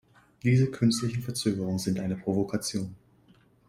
Diese künstlichen Verzögerungen sind eine Provokation.